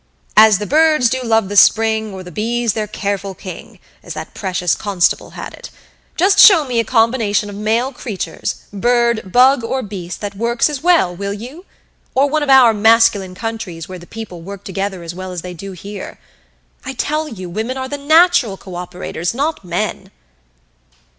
As the birds do love the Spring, Or the bees their careful king, as that precious Constable had it. Just show me a combination of male creatures, bird, bug, or beast, that works as well, will you? Or one of our masculine countries where the people work together as well as they do here! I tell you, women are the natural cooperators, not men!"